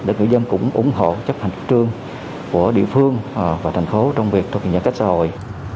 để người dân cũng ủng hộ chấp hành trường của địa phương và thành phố trong việc thuộc nhà cách xã hội